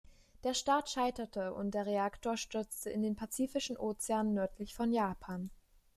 Der Start scheiterte und der Reaktor stürzte in den pazifischen Ozean nördlich von Japan.